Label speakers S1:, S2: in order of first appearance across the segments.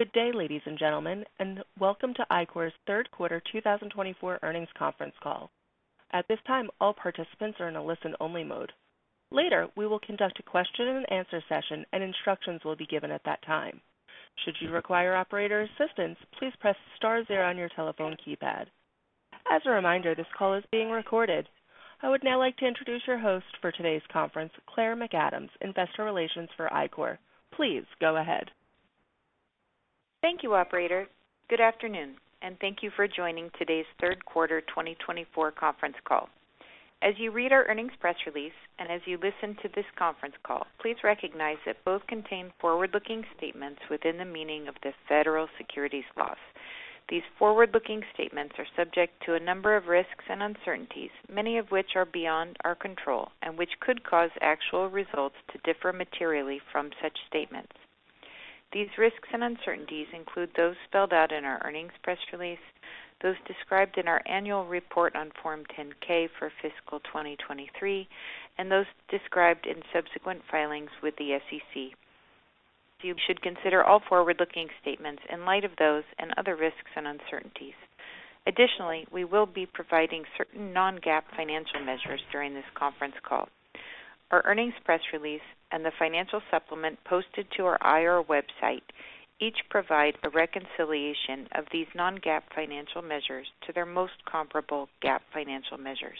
S1: Good day, ladies and gentlemen, and welcome to Ichor's Third Quarter 2024 Earnings Conference Call. At this time, all participants are in a listen-only mode. Later, we will conduct a question-and-answer session, and instructions will be given at that time. Should you require operator assistance, please press star zero on your telephone keypad. As a reminder, this call is being recorded. I would now like to introduce your host for today's conference, Claire McAdams, Investor Relations for Ichor. Please go ahead.
S2: Thank you, operator. Good afternoon, and thank you for joining today's third quarter 2024 conference call. As you read our earnings press release and as you listen to this conference call, please recognize that both contain forward-looking statements within the meaning of the federal securities laws. These forward-looking statements are subject to a number of risks and uncertainties, many of which are beyond our control and which could cause actual results to differ materially from such statements. These risks and uncertainties include those spelled out in our earnings press release, those described in our annual report on Form 10-K for fiscal 2023, and those described in subsequent filings with the SEC. You should consider all forward-looking statements in light of those and other risks and uncertainties. Additionally, we will be providing certain non-GAAP financial measures during this conference call. Our earnings press release and the financial supplement posted to our IR website each provide a reconciliation of these non-GAAP financial measures to their most comparable GAAP financial measures.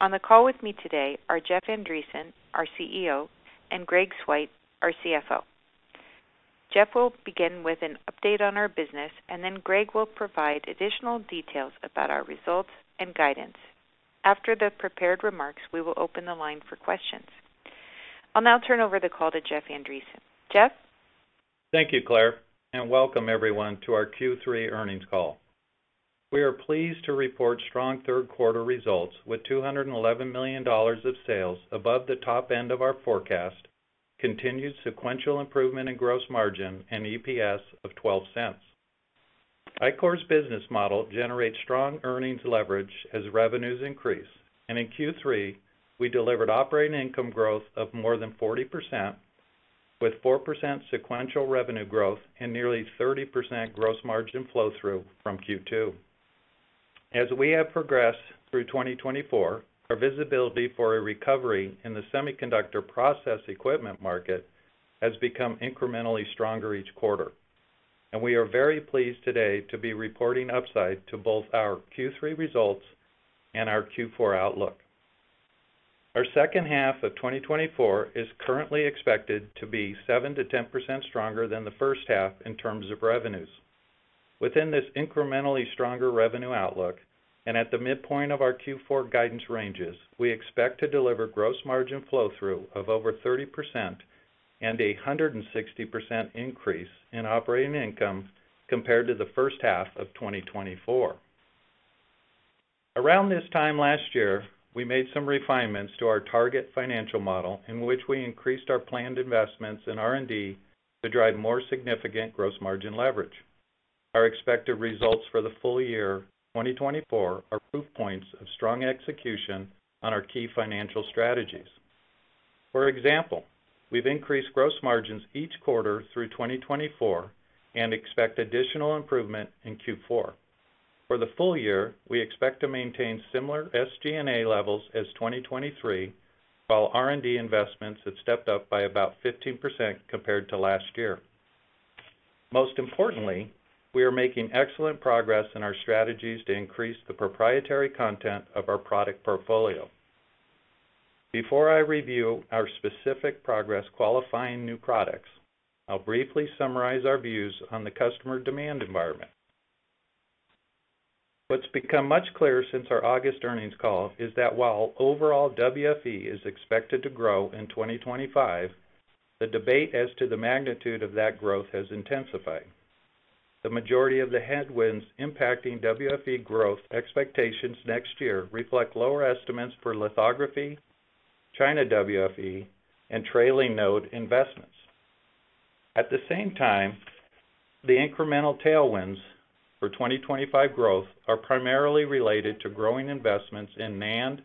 S2: On the call with me today are Jeff Andreson, our CEO, and Greg Swyt, our CFO. Jeff will begin with an update on our business, and then Greg will provide additional details about our results and guidance. After the prepared remarks, we will open the line for questions. I'll now turn over the call to Jeff Andreson. Jeff?
S3: Thank you, Claire, and welcome everyone to our Q3 earnings call. We are pleased to report strong third quarter results with $211 million of sales above the top end of our forecast, continued sequential improvement in gross margin, and EPS of $0.12. Ichor's business model generates strong earnings leverage as revenues increase, and in Q3, we delivered operating income growth of more than 40% with 4% sequential revenue growth and nearly 30% gross margin flow-through from Q2. As we have progressed through 2024, our visibility for a recovery in the semiconductor process equipment market has become incrementally stronger each quarter, and we are very pleased today to be reporting upside to both our Q3 results and our Q4 outlook. Our second half of 2024 is currently expected to be 7%-10% stronger than the first half in terms of revenues. Within this incrementally stronger revenue outlook and at the midpoint of our Q4 guidance ranges, we expect to deliver gross margin flow-through of over 30% and a 160% increase in operating income compared to the first half of 2024. Around this time last year, we made some refinements to our target financial model in which we increased our planned investments in R&D to drive more significant gross margin leverage. Our expected results for the full year 2024 are proof points of strong execution on our key financial strategies. For example, we've increased gross margins each quarter through 2024 and expect additional improvement in Q4. For the full year, we expect to maintain similar SG&A levels as 2023, while R&D investments have stepped up by about 15% compared to last year. Most importantly, we are making excellent progress in our strategies to increase the proprietary content of our product portfolio. Before I review our specific progress qualifying new products, I'll briefly summarize our views on the customer demand environment. What's become much clearer since our August earnings call is that while overall WFE is expected to grow in 2025, the debate as to the magnitude of that growth has intensified. The majority of the headwinds impacting WFE growth expectations next year reflect lower estimates for lithography, China WFE, and trailing node investments. At the same time, the incremental tailwinds for 2025 growth are primarily related to growing investments in NAND,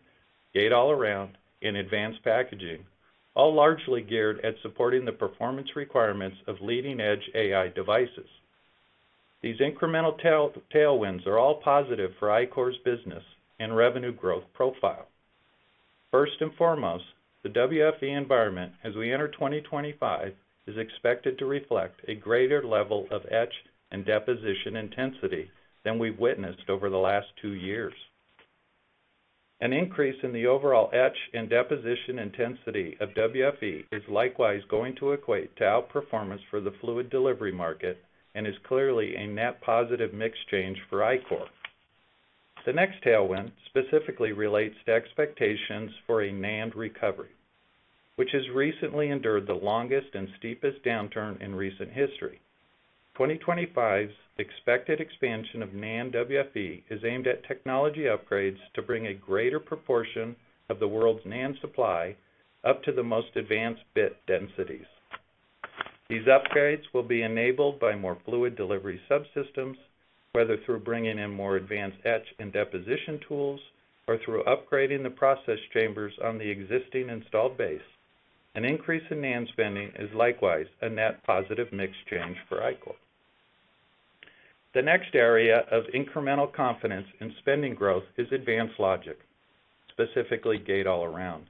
S3: Gate-All-Around, and advanced packaging, all largely geared at supporting the performance requirements of leading-edge AI devices. These incremental tailwinds are all positive for Ichor's business and revenue growth profile. First and foremost, the WFE environment as we enter 2025 is expected to reflect a greater level of etch and deposition intensity than we've witnessed over the last two years. An increase in the overall etch and deposition intensity of WFE is likewise going to equate to outperformance for the fluid delivery market and is clearly a net positive mix change for Ichor. The next tailwind specifically relates to expectations for a NAND recovery, which has recently endured the longest and steepest downturn in recent history. 2025's expected expansion of NAND WFE is aimed at technology upgrades to bring a greater proportion of the world's NAND supply up to the most advanced bit densities. These upgrades will be enabled by more fluid delivery subsystems, whether through bringing in more advanced etch and deposition tools or through upgrading the process chambers on the existing installed base. An increase in NAND spending is likewise a net positive mix change for Ichor. The next area of incremental confidence in spending growth is advanced logic, specifically Gate-All-Around.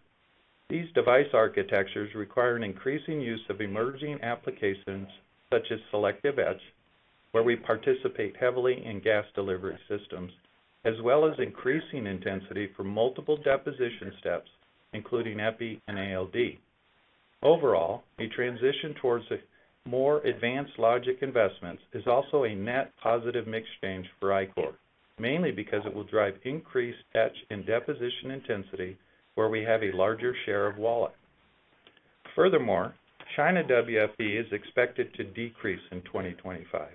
S3: These device architectures require an increasing use of emerging applications such as selective etch, where we participate heavily in gas delivery systems, as well as increasing intensity for multiple deposition steps, including Epi and ALD. Overall, a transition towards more advanced logic investments is also a net positive mix change for Ichor, mainly because it will drive increased etch and deposition intensity where we have a larger share of wallet. Furthermore, China WFE is expected to decrease in 2025.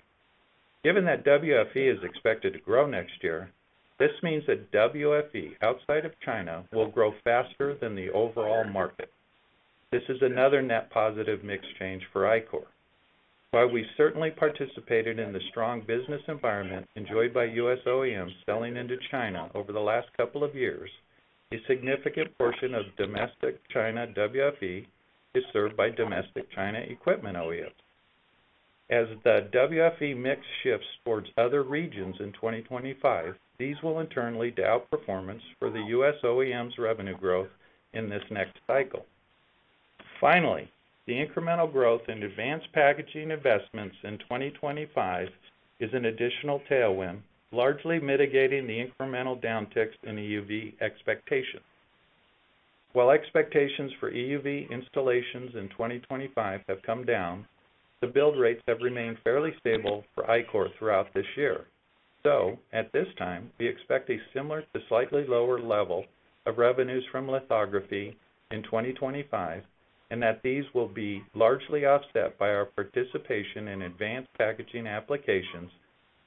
S3: Given that WFE is expected to grow next year, this means that WFE outside of China will grow faster than the overall market. This is another net positive mix change for Ichor. While we certainly participated in the strong business environment enjoyed by U.S. OEMs selling into China over the last couple of years, a significant portion of domestic China WFE is served by domestic China equipment OEMs. As the WFE mix shifts towards other regions in 2025, these will internally doubt performance for the U.S. OEMs' revenue growth in this next cycle. Finally, the incremental growth in advanced packaging investments in 2025 is an additional tailwind, largely mitigating the incremental downticks in EUV expectations. While expectations for EUV installations in 2025 have come down, the build rates have remained fairly stable for Ichor throughout this year. At this time, we expect a similar to slightly lower level of revenues from lithography in 2025, and that these will be largely offset by our participation in advanced packaging applications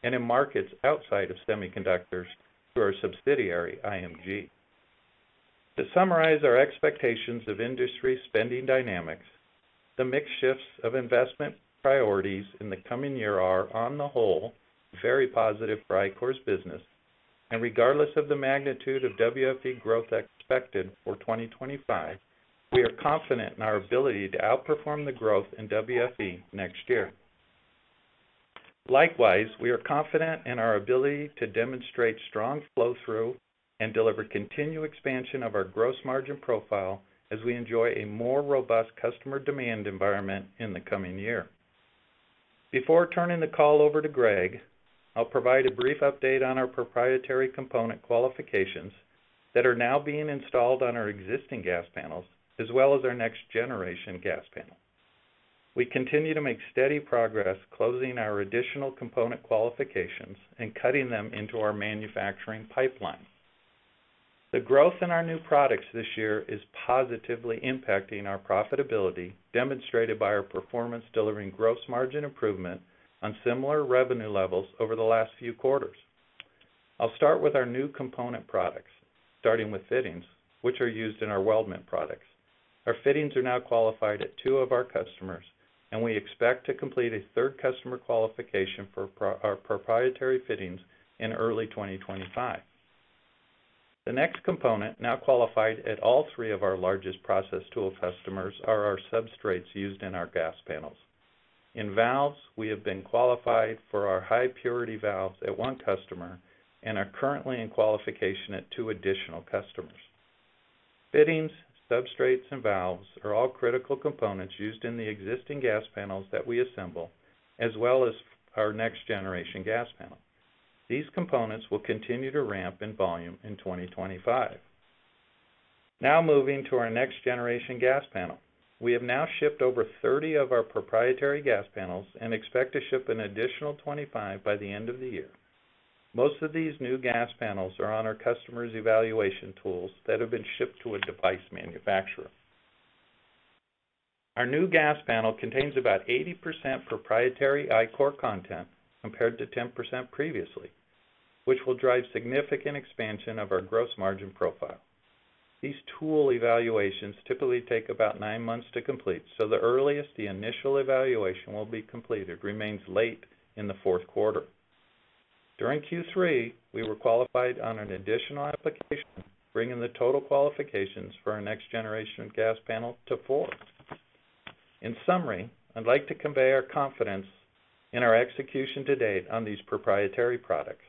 S3: and in markets outside of semiconductors through our subsidiary IMG. To summarize our expectations of industry spending dynamics, the mix shifts of investment priorities in the coming year are, on the whole, very positive for Ichor's business, and regardless of the magnitude of WFE growth expected for 2025, we are confident in our ability to outperform the growth in WFE next year. Likewise, we are confident in our ability to demonstrate strong flow-through and deliver continued expansion of our gross margin profile as we enjoy a more robust customer demand environment in the coming year. Before turning the call over to Greg, I'll provide a brief update on our proprietary component qualifications that are now being installed on our existing gas panels, as well as our next generation gas panel. We continue to make steady progress closing our additional component qualifications and cutting them into our manufacturing pipeline. The growth in our new products this year is positively impacting our profitability, demonstrated by our performance delivering gross margin improvement on similar revenue levels over the last few quarters. I'll start with our new component products, starting with fittings, which are used in our weldment products. Our fittings are now qualified at two of our customers, and we expect to complete a third customer qualification for our proprietary fittings in early 2025. The next component, now qualified at all three of our largest process tool customers, are our substrates used in our gas panels. In valves, we have been qualified for our high purity valves at one customer and are currently in qualification at two additional customers. Fittings, substrates, and valves are all critical components used in the existing gas panels that we assemble, as well as our next generation gas panel. These components will continue to ramp in volume in 2025. Now moving to our next generation gas panel. We have now shipped over 30 of our proprietary gas panels and expect to ship an additional 25 by the end of the year. Most of these new gas panels are on our customers' evaluation tools that have been shipped to a device manufacturer. Our new gas panel contains about 80% proprietary Ichor content compared to 10% previously, which will drive significant expansion of our gross margin profile. These tool evaluations typically take about nine months to complete, so the earliest the initial evaluation will be completed remains late in the fourth quarter. During Q3, we were qualified on an additional application, bringing the total qualifications for our next generation gas panel to four. In summary, I'd like to convey our confidence in our execution to date on these proprietary products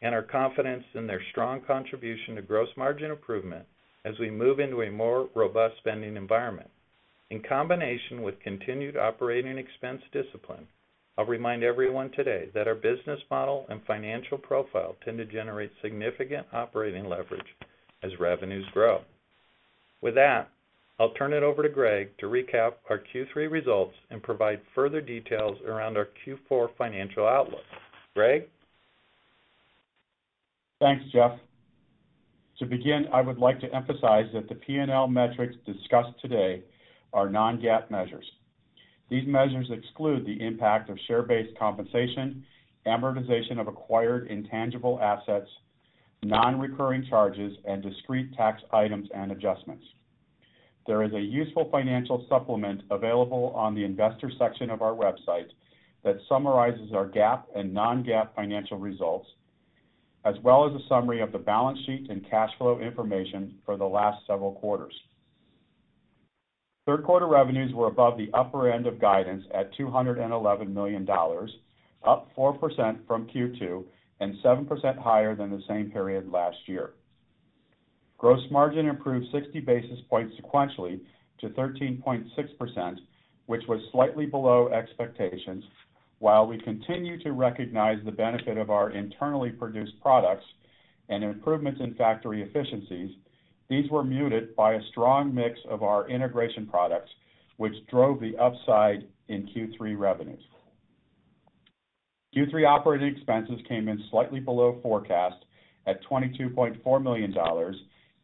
S3: and our confidence in their strong contribution to gross margin improvement as we move into a more robust spending environment. In combination with continued operating expense discipline, I'll remind everyone today that our business model and financial profile tend to generate significant operating leverage as revenues grow. With that, I'll turn it over to Greg to recap our Q3 results and provide further details around our Q4 financial outlook. Greg?
S4: Thanks, Jeff. To begin, I would like to emphasize that the P&L metrics discussed today are non-GAAP measures. These measures exclude the impact of share-based compensation, amortization of acquired intangible assets, non-recurring charges, and discrete tax items and adjustments. There is a useful financial supplement available on the investor section of our website that summarizes our GAAP and non-GAAP financial results, as well as a summary of the balance sheet and cash flow information for the last several quarters. Third quarter revenues were above the upper end of guidance at $211 million, up 4% from Q2 and 7% higher than the same period last year. Gross margin improved 60 basis points sequentially to 13.6%, which was slightly below expectations. While we continue to recognize the benefit of our internally produced products and improvements in factory efficiencies, these were muted by a strong mix of our integration products, which drove the upside in Q3 revenues. Q3 operating expenses came in slightly below forecast at $22.4 million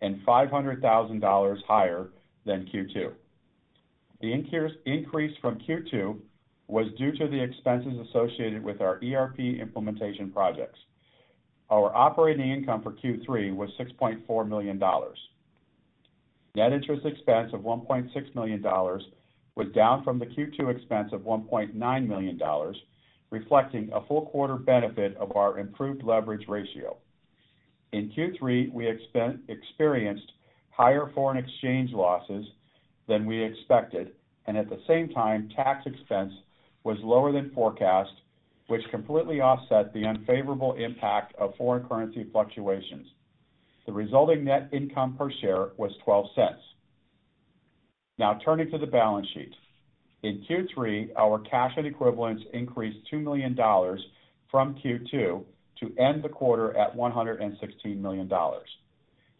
S4: and $500,000 higher than Q2. The increase from Q2 was due to the expenses associated with our ERP implementation projects. Our operating income for Q3 was $6.4 million. Net interest expense of $1.6 million was down from the Q2 expense of $1.9 million, reflecting a full quarter benefit of our improved leverage ratio. In Q3, we experienced higher foreign exchange losses than we expected, and at the same time, tax expense was lower than forecast, which completely offset the unfavorable impact of foreign currency fluctuations. The resulting net income per share was $0.12. Now turning to the balance sheet. In Q3, our cash and equivalents increased $2 million from Q2 to end the quarter at $116 million.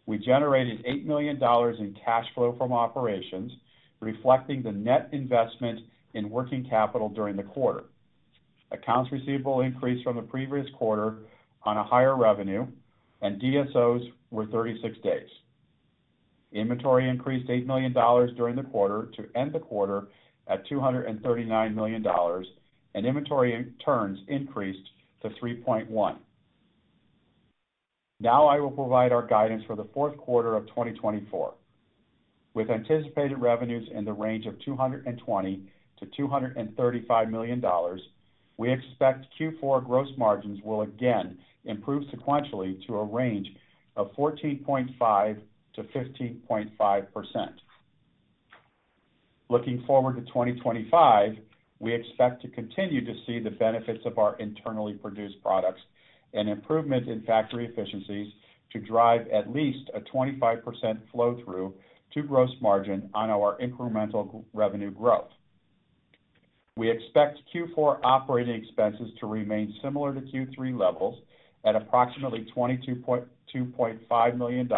S4: We generated $8 million in cash flow from operations, reflecting the net investment in working capital during the quarter. Accounts receivable increased from the previous quarter on a higher revenue, and DSOs were 36 days. Inventory increased $8 million during the quarter to end the quarter at $239 million, and inventory turns increased to 3.1. Now I will provide our guidance for the fourth quarter of 2024. With anticipated revenues in the range of $220-$235 million, we expect Q4 gross margins will again improve sequentially to a range of 14.5%-15.5%. Looking forward to 2025, we expect to continue to see the benefits of our internally produced products and improvement in factory efficiencies to drive at least a 25% flow-through to gross margin on our incremental revenue growth. We expect Q4 operating expenses to remain similar to Q3 levels at approximately $22.5 million.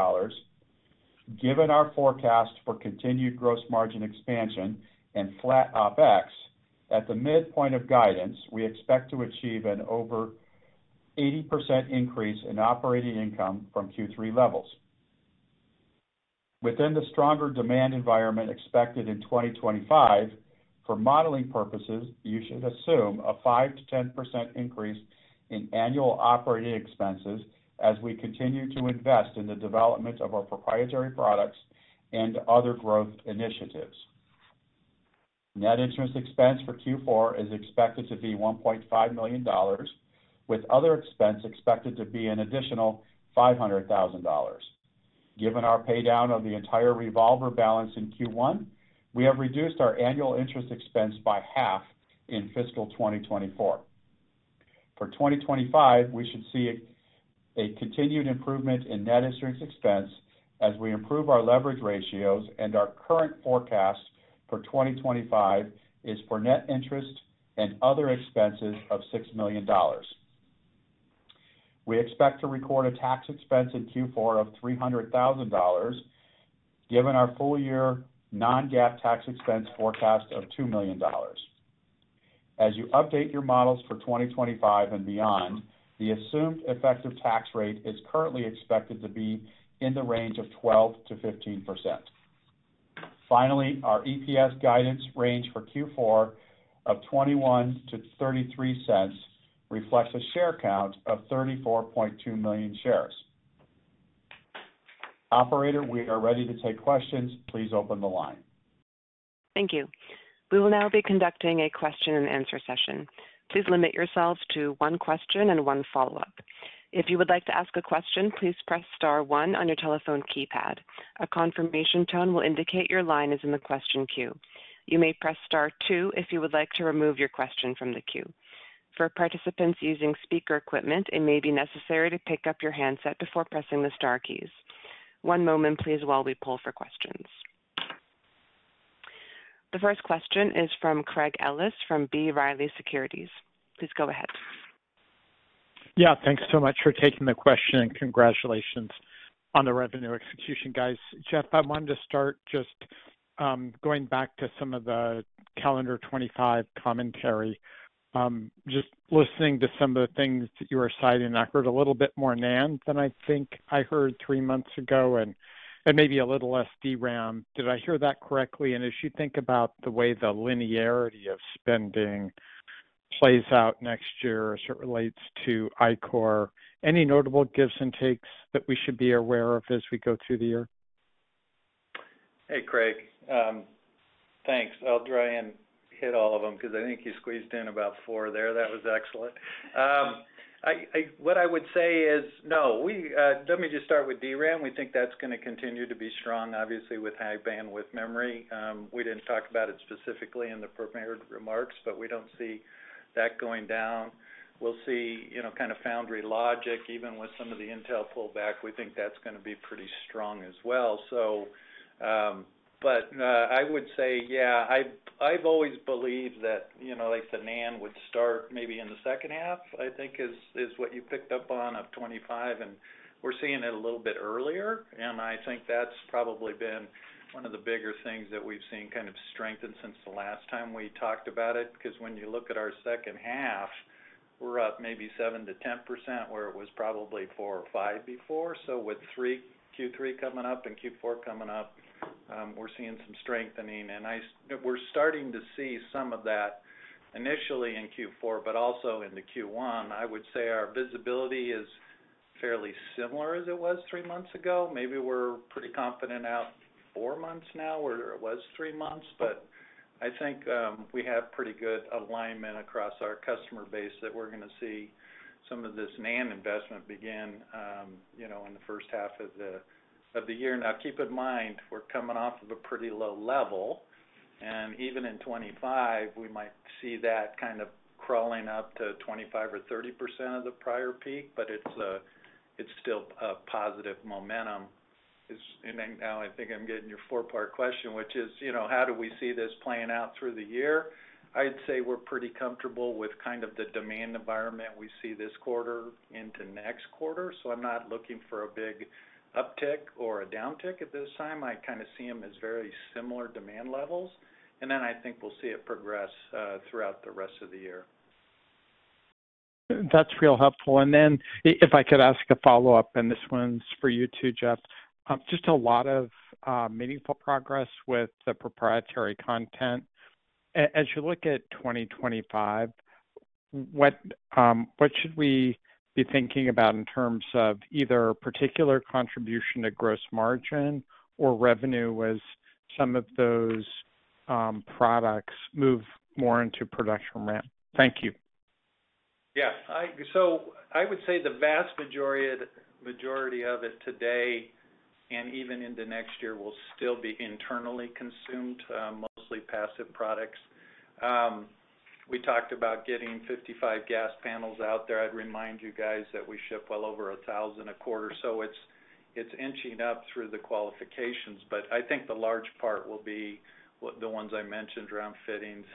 S4: Given our forecast for continued gross margin expansion and flat OpEx, at the midpoint of guidance, we expect to achieve an over 80% increase in operating income from Q3 levels. Within the stronger demand environment expected in 2025, for modeling purposes, you should assume a 5%-10% increase in annual operating expenses as we continue to invest in the development of our proprietary products and other growth initiatives. Net interest expense for Q4 is expected to be $1.5 million, with other expense expected to be an additional $500,000. Given our paydown of the entire revolver balance in Q1, we have reduced our annual interest expense by half in fiscal 2024. For 2025, we should see a continued improvement in net interest expense as we improve our leverage ratios, and our current forecast for 2025 is for net interest and other expenses of $6 million. We expect to record a tax expense in Q4 of $300,000, given our full-year non-GAAP tax expense forecast of $2 million. As you update your models for 2025 and beyond, the assumed effective tax rate is currently expected to be in the range of 12%-15%. Finally, our EPS guidance range for Q4 of $0.21-$0.33 reflects a share count of 34.2 million shares. Operator, we are ready to take questions. Please open the line.
S1: Thank you. We will now be conducting a question and answer session. Please limit yourselves to one question and one follow-up. If you would like to ask a question, please press star one on your telephone keypad. A confirmation tone will indicate your line is in the question queue. You may press star two if you would like to remove your question from the queue. For participants using speaker equipment, it may be necessary to pick up your handset before pressing the star keys. One moment, please, while we pull for questions. The first question is from Craig Ellis from B. Riley Securities. Please go ahead.
S5: Yeah, thanks so much for taking the question and congratulations on the revenue execution, guys. Jeff, I wanted to start just going back to some of the calendar 2025 commentary. Just listening to some of the things that you were citing, I heard a little bit more NAND than I think I heard three months ago, and maybe a little less DRAM. Did I hear that correctly? And as you think about the way the linearity of spending plays out next year as it relates to Ichor, any notable gives and takes that we should be aware of as we go through the year?
S3: Hey, Craig. Thanks. I'll try and hit all of them because I think you squeezed in about four there. That was excellent. What I would say is, no, let me just start with DRAM. We think that's going to continue to be strong, obviously, with High Bandwidth Memory. We didn't talk about it specifically in the prepared remarks, but we don't see that going down. We'll see kind of foundry logic, even with some of the Intel pullback. We think that's going to be pretty strong as well. But I would say, yeah, I've always believed that the NAND would start maybe in the second half, I think, is what you picked up on of 2025, and we're seeing it a little bit earlier. I think that's probably been one of the bigger things that we've seen kind of strengthen since the last time we talked about it, because when you look at our second half, we're up maybe 7%-10% where it was probably four or five before. So with Q3 coming up and Q4 coming up, we're seeing some strengthening. We're starting to see some of that initially in Q4, but also in the Q1. I would say our visibility is fairly similar as it was three months ago. Maybe we're pretty confident out four months now where it was three months, but I think we have pretty good alignment across our customer base that we're going to see some of this NAND investment begin in the first half of the year. Now, keep in mind, we're coming off of a pretty low level, and even in 25, we might see that kind of crawling up to 25% or 30% of the prior peak, but it's still a positive momentum. And now I think I'm getting your four-part question, which is, how do we see this playing out through the year? I'd say we're pretty comfortable with kind of the demand environment we see this quarter into next quarter. So I'm not looking for a big uptick or a downtick at this time. I kind of see them as very similar demand levels. And then I think we'll see it progress throughout the rest of the year.
S5: That's really helpful. And then if I could ask a follow-up, and this one's for you too, Jeff, just a lot of meaningful progress with the proprietary content. As you look at 2025, what should we be thinking about in terms of either particular contribution to gross margin or revenue as some of those products move more into production ramp? Thank you.
S3: Yeah. So I would say the vast majority of it today and even into next year will still be internally consumed, mostly passive products. We talked about getting 55 gas panels out there. I'd remind you guys that we ship well over 1,000 a quarter. So it's inching up through the qualifications. But I think the large part will be the ones I mentioned around fittings,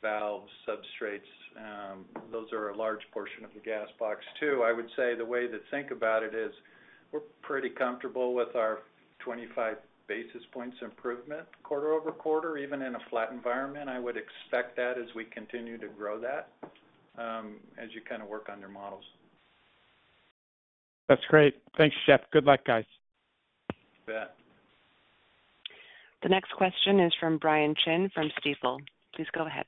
S3: valves, substrates. Those are a large portion of the gas box too. I would say the way to think about it is we're pretty comfortable with our 25 basis points improvement quarter over quarter, even in a flat environment. I would expect that as we continue to grow that as you kind of work on your models.
S5: That's great. Thanks, Jeff. Good luck, guys.
S3: You bet.
S1: The next question is from Brian Chin from Stifel. Please go ahead.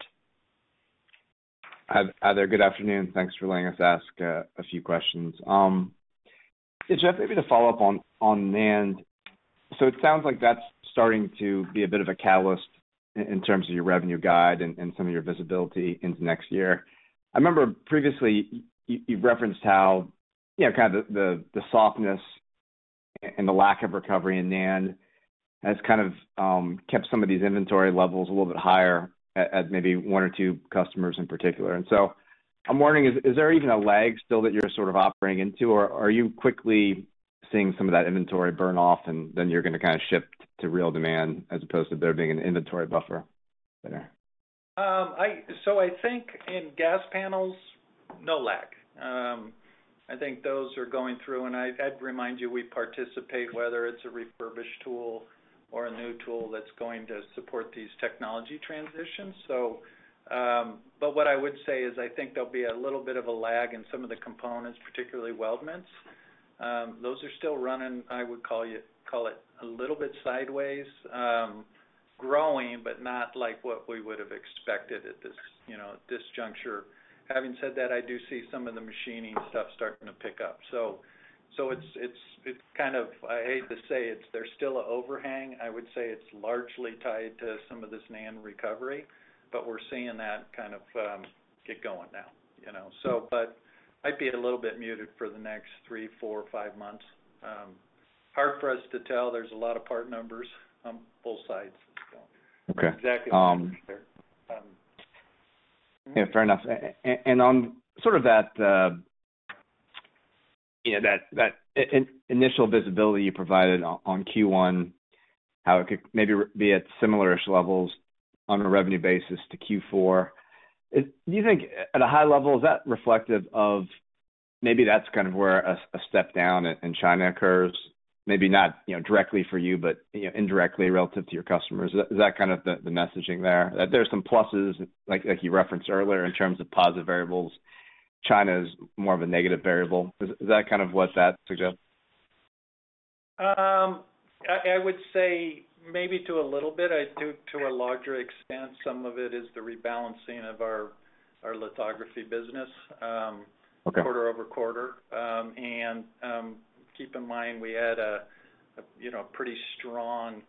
S6: Hi there. Good afternoon. Thanks for letting us ask a few questions. Jeff, maybe to follow up on NAND, so it sounds like that's starting to be a bit of a catalyst in terms of your revenue guide and some of your visibility into next year. I remember previously you've referenced how kind of the softness and the lack of recovery in NAND has kind of kept some of these inventory levels a little bit higher at maybe one or two customers in particular, and so I'm wondering, is there even a lag still that you're sort of operating into, or are you quickly seeing some of that inventory burn off, and then you're going to kind of shift to real demand as opposed to there being an inventory buffer there?
S3: I think in gas panels, no lag. I think those are going through. And I'd remind you, we participate, whether it's a refurbished tool or a new tool that's going to support these technology transitions. But what I would say is I think there'll be a little bit of a lag in some of the components, particularly weldments. Those are still running, I would call it a little bit sideways, growing, but not like what we would have expected at this juncture. Having said that, I do see some of the machining stuff starting to pick up. It's kind of, I hate to say, there's still an overhang. I would say it's largely tied to some of this NAND recovery, but we're seeing that kind of get going now. I'd be a little bit muted for the next three, four, five months. Hard for us to tell. There's a lot of part numbers on both sides. It's exactly what you need there.
S6: Yeah, fair enough. And on sort of that initial visibility you provided on Q1, how it could maybe be at similarish levels on a revenue basis to Q4, do you think at a high level, is that reflective of maybe that's kind of where a step down in China occurs, maybe not directly for you, but indirectly relative to your customers? Is that kind of the messaging there? There's some pluses, like you referenced earlier, in terms of positive variables. China is more of a negative variable. Is that kind of what that suggests?
S3: I would say maybe to a little bit, to a larger extent, some of it is the rebalancing of our lithography business quarter over quarter, and keep in mind, we had a pretty strong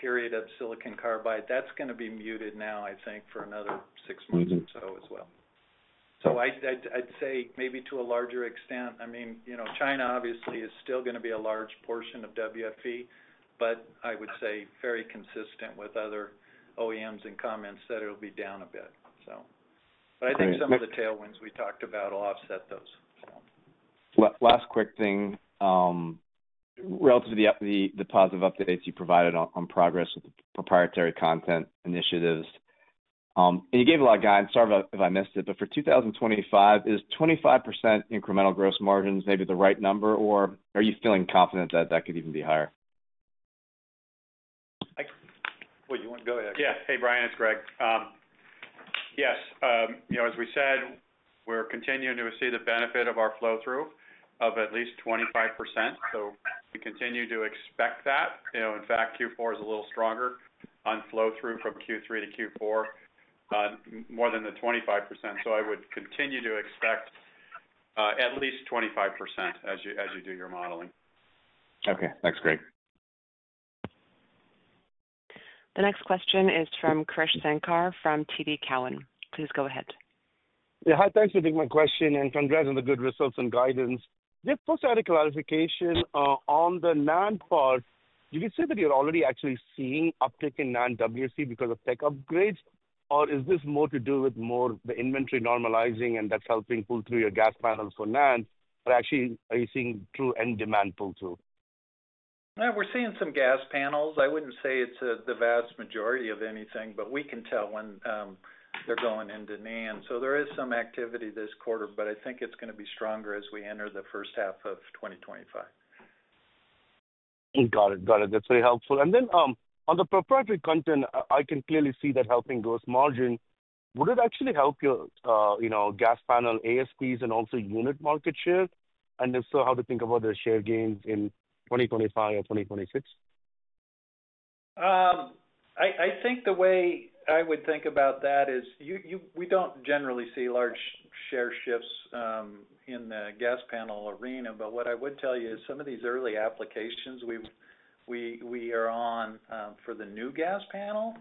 S3: period of silicon carbide. That's going to be muted now, I think, for another six months or so as well, so I'd say maybe to a larger extent, I mean, China obviously is still going to be a large portion of WFE, but I would say very consistent with other OEMs and comments that it'll be down a bit. But I think some of the tailwinds we talked about will offset those.
S6: Last quick thing relative to the positive updates you provided on progress with the proprietary content initiatives and you gave a lot of guidance. Sorry if I missed it, but for 2025, is 25% incremental gross margins maybe the right number, or are you feeling confident that that could even be higher?
S3: What do you want to go ahead?
S4: Yeah. Hey, Brian, it's Greg. Yes. As we said, we're continuing to see the benefit of our flow-through of at least 25%. So we continue to expect that. In fact, Q4 is a little stronger on flow-through from Q3 to Q4, more than the 25%. So I would continue to expect at least 25% as you do your modeling.
S6: Okay. That's great.
S1: The next question is from Krish Sankar from TD Cowen. Please go ahead.
S7: Yeah. Hi, thanks for taking my question. Congrats on the good results and guidance. Just for clarification on the NAND part, did you say that you're already actually seeing uptick in NAND WFE because of tech upgrades, or is this more to do with the inventory normalizing, and that's helping pull through your gas panels for NAND? Or actually, are you seeing true end demand pull-through?
S3: We're seeing some gas panels. I wouldn't say it's the vast majority of anything, but we can tell when they're going into NAND. So there is some activity this quarter, but I think it's going to be stronger as we enter the first half of 2025.
S7: Got it. Got it. That's very helpful. And then on the proprietary content, I can clearly see that helping gross margin. Would it actually help your gas panel ASPs and also unit market share? And if so, how to think about the share gains in 2025 or 2026?
S3: I think the way I would think about that is we don't generally see large share shifts in the gas panel arena. But what I would tell you is some of these early applications we are on for the new gas panel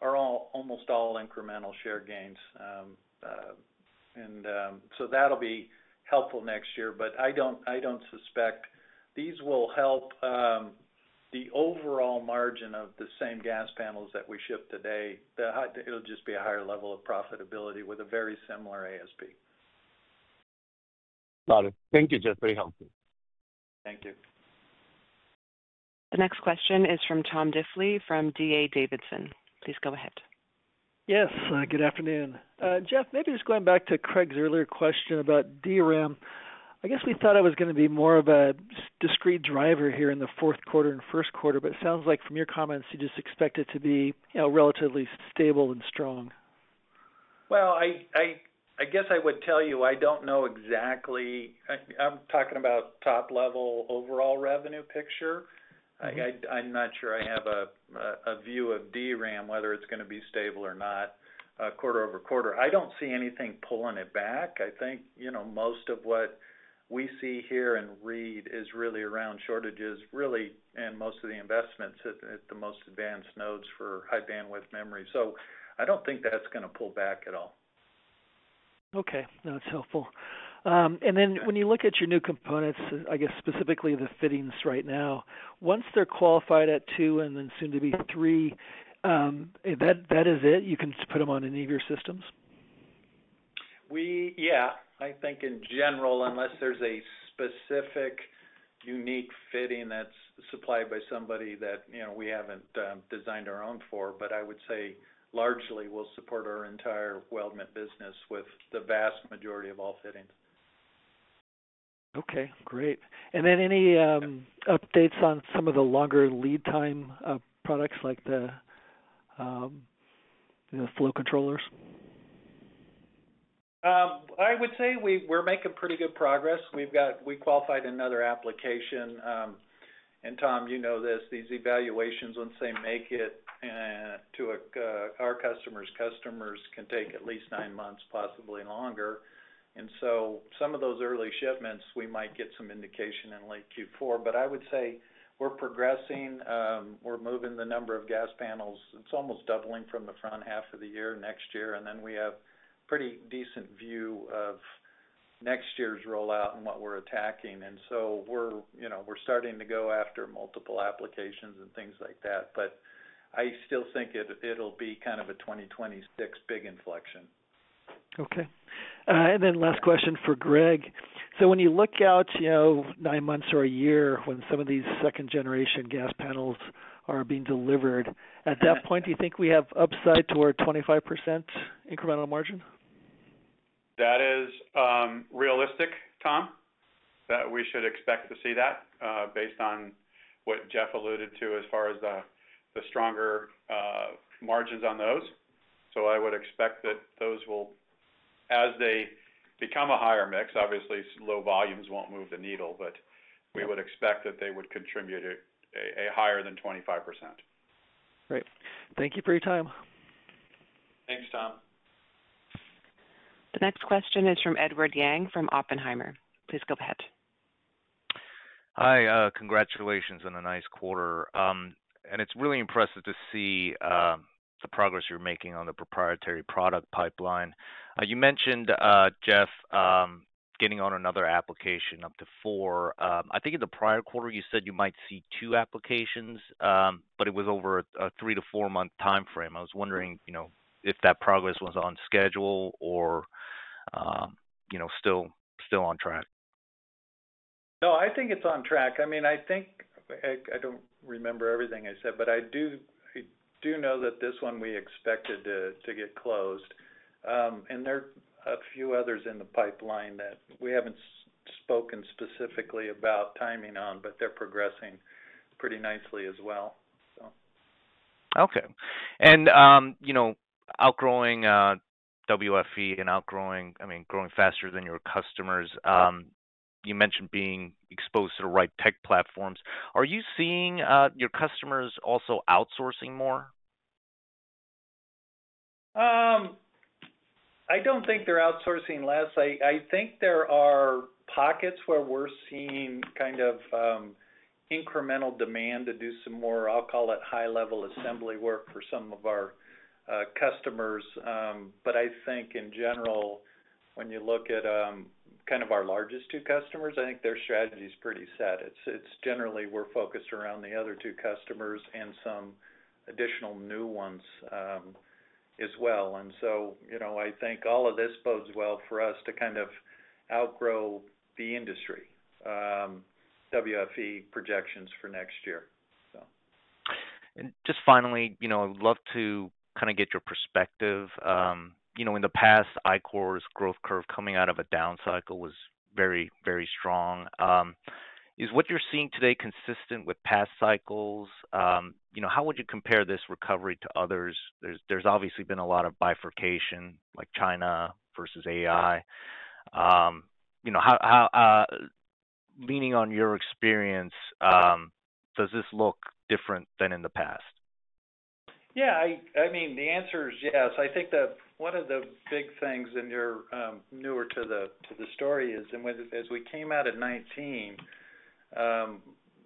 S3: are almost all incremental share gains. And so that'll be helpful next year. But I don't suspect these will help the overall margin of the same gas panels that we ship today. It'll just be a higher level of profitability with a very similar ASP.
S7: Got it. Thank you, Jeff. Very helpful.
S3: Thank you.
S1: The next question is from Tom Difley from D.A. Davidson. Please go ahead.
S8: Yes. Good afternoon. Jeff, maybe just going back to Craig's earlier question about DRAM, I guess we thought it was going to be more of a discrete driver here in the fourth quarter and first quarter, but it sounds like from your comments, you just expect it to be relatively stable and strong.
S3: I guess I would tell you I don't know exactly. I'm talking about top-level overall revenue picture. I'm not sure I have a view of DRAM, whether it's going to be stable or not quarter over quarter. I don't see anything pulling it back. I think most of what we see here and read is really around shortages, really, and most of the investments at the most advanced nodes for High Bandwidth Memory. So I don't think that's going to pull back at all.
S8: Okay. That's helpful, and then when you look at your new components, I guess specifically the fittings right now, once they're qualified at two and then soon to be three, that is it? You can put them on any of your systems?
S3: Yeah. I think in general, unless there's a specific unique fitting that's supplied by somebody that we haven't designed our own for, but I would say largely we'll support our entire weldment business with the vast majority of all fittings.
S8: Okay. Great. And then any updates on some of the longer lead time products like the flow controllers?
S3: I would say we're making pretty good progress. We qualified another application. And Tom, you know this, these evaluations, once they make it to our customers, customers can take at least nine months, possibly longer. And so some of those early shipments, we might get some indication in late Q4. But I would say we're progressing. We're moving the number of gas panels. It's almost doubling from the front half of the year next year. And then we have a pretty decent view of next year's rollout and what we're attacking. And so we're starting to go after multiple applications and things like that. But I still think it'll be kind of a 2026 big inflection.
S8: Okay, and then last question for Greg. So when you look out nine months or a year, when some of these second-generation gas panels are being delivered, at that point, do you think we have upside to our 25% incremental margin?
S4: That is realistic, Tom, that we should expect to see that based on what Jeff alluded to as far as the stronger margins on those, so I would expect that those will, as they become a higher mix, obviously, low volumes won't move the needle, but we would expect that they would contribute a higher than 25%.
S8: Great. Thank you for your time.
S3: Thanks, Tom.
S1: The next question is from Edward Yang from Oppenheimer. Please go ahead.
S9: Hi. Congratulations on a nice quarter. It's really impressive to see the progress you're making on the proprietary product pipeline. You mentioned, Jeff, getting on another application up to four. I think in the prior quarter, you said you might see two applications, but it was over a three- to four-month time frame. I was wondering if that progress was on schedule or still on track?
S3: No, I think it's on track. I mean, I think I don't remember everything I said, but I do know that this one we expected to get closed. And there are a few others in the pipeline that we haven't spoken specifically about timing on, but they're progressing pretty nicely as well, so.
S9: Okay, and outgrowing WFE and outgrowing, I mean, growing faster than your customers, you mentioned being exposed to the right tech platforms. Are you seeing your customers also outsourcing more?
S3: I don't think they're outsourcing less. I think there are pockets where we're seeing kind of incremental demand to do some more, I'll call it high-level assembly work for some of our customers. But I think in general, when you look at kind of our largest two customers, I think their strategy is pretty set. It's generally we're focused around the other two customers and some additional new ones as well. And so I think all of this bodes well for us to kind of outgrow the industry WFE projections for next year, so.
S9: Just finally, I would love to kind of get your perspective. In the past, Ichor's growth curve coming out of a down cycle was very, very strong. Is what you're seeing today consistent with past cycles? How would you compare this recovery to others? There's obviously been a lot of bifurcation, like China versus AI. Leaning on your experience, does this look different than in the past?
S3: Yeah. I mean, the answer is yes. I think that one of the big things in your newer to the story is, as we came out at 2019,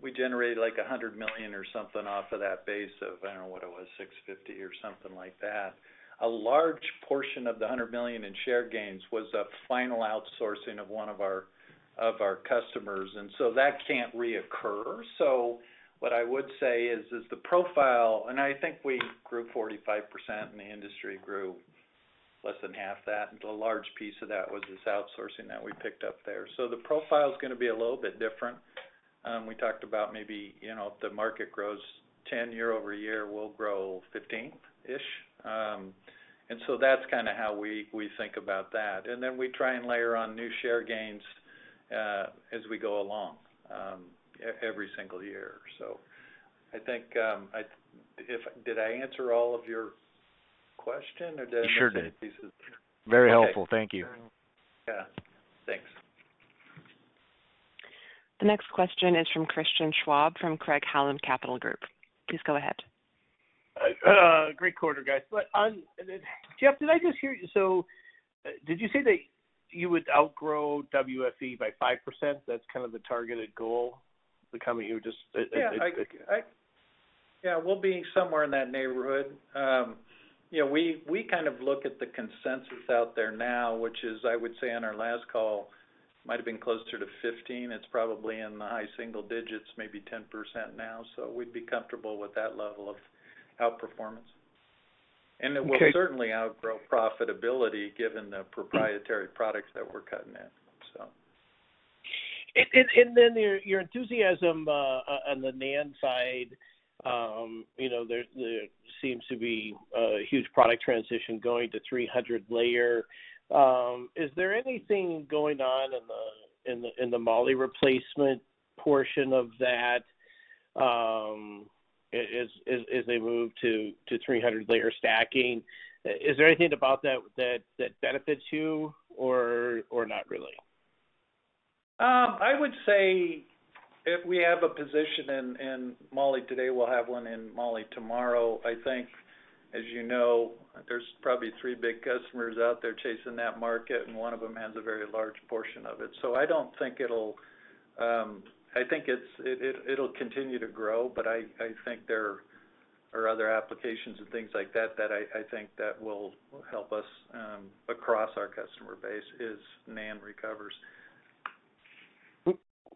S3: we generated like $100 million or something off of that base of, I don't know what it was, $650 million or something like that. A large portion of the $100 million in share gains was a final outsourcing of one of our customers. And so that can't reoccur. So what I would say is the profile, and I think we grew 45%, and the industry grew less than half that. And a large piece of that was this outsourcing that we picked up there. So the profile is going to be a little bit different. We talked about maybe if the market grows 10% year over year, we'll grow 15%-ish. And so that's kind of how we think about that. And then we try and layer on new share gains as we go along every single year. So I think, did I answer all of your question, or did I miss some pieces?
S9: You sure did. Very helpful. Thank you.
S3: Yeah. Thanks.
S1: The next question is from Christian Schwab from Craig-Hallum Capital Group. Please go ahead.
S10: Great quarter, guys. Jeff, did I just hear you? So did you say that you would outgrow WFE by 5%? That's kind of the targeted goal, the comment you were just?
S3: Yeah. We'll be somewhere in that neighborhood. We kind of look at the consensus out there now, which is, I would say on our last call, might have been closer to 15%. It's probably in the high single digits, maybe 10% now. So we'd be comfortable with that level of outperformance. And it will certainly outgrow profitability given the proprietary products that we're cutting in, so.
S10: And then your enthusiasm on the NAND side, there seems to be a huge product transition going to 300 layer. Is there anything going on in the Moly replacement portion of that as they move to 300-layer stacking? Is there anything about that that benefits you or not really?
S3: I would say if we have a position in Moly today, we'll have one in Moly tomorrow. I think, as you know, there's probably three big customers out there chasing that market, and one of them has a very large portion of it. So I think it'll continue to grow, but I think there are other applications and things like that that I think that will help us across our customer base as NAND recovers.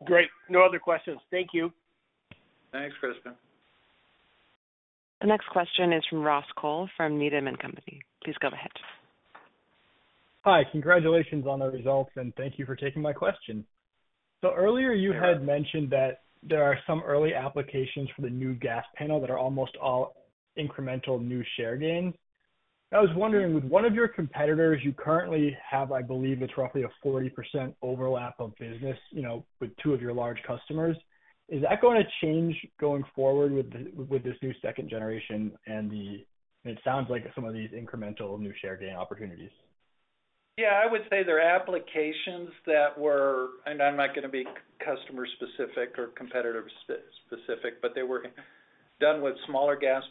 S10: Great. No other questions. Thank you.
S3: Thanks, Chris.
S1: The next question is from Ross Cole from Needham & Company. Please go ahead.
S11: Hi. Congratulations on the results, and thank you for taking my question. So earlier, you had mentioned that there are some early applications for the new gas panel that are almost all incremental new share gains. I was wondering, with one of your competitors you currently have, I believe it's roughly a 40% overlap of business with two of your large customers. Is that going to change going forward with this new second generation and it sounds like some of these incremental new share gain opportunities?
S3: Yeah. I would say there are applications, and I'm not going to be customer-specific or competitor-specific, but they were done with smaller gas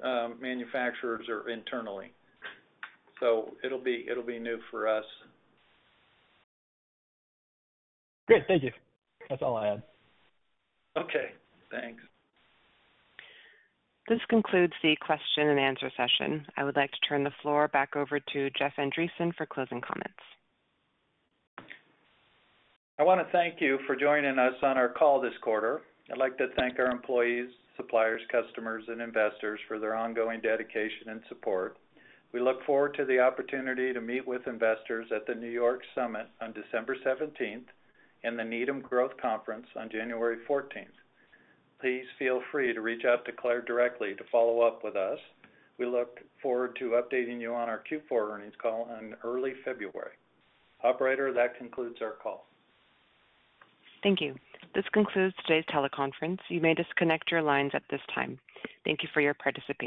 S3: panel manufacturers or internally. So it'll be new for us.
S11: Great. Thank you. That's all I had.
S3: Okay. Thanks.
S1: This concludes the question and answer session. I would like to turn the floor back over to Jeff Andreson for closing comments.
S3: I want to thank you for joining us on our call this quarter. I'd like to thank our employees, suppliers, customers, and investors for their ongoing dedication and support. We look forward to the opportunity to meet with investors at the New York Summit on December 17th and the Needham Growth Conference on January 14th. Please feel free to reach out to Claire directly to follow up with us. We look forward to updating you on our Q4 earnings call in early February. Operator, that concludes our call.
S1: Thank you. This concludes today's teleconference. You may disconnect your lines at this time. Thank you for your participation.